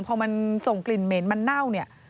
พอมันส่งกลิ่นเหม็นมันเน่าเนี่ย